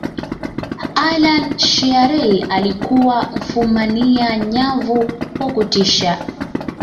allan shearer alikuwa mfumania nyavu wa kutisha